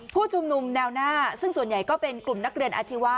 ผู้ชุมนุมแนวหน้าซึ่งส่วนใหญ่ก็เป็นกลุ่มนักเรียนอาชีวะ